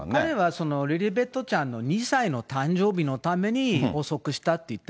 彼はリリベットちゃんの２歳の誕生日のためにしたと言って